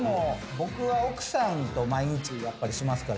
僕は奥さんと毎日しますから。